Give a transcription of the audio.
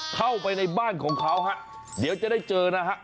เข้าไปในบ้านของเขาฮะเดี๋ยวจะได้เจอนะฮะ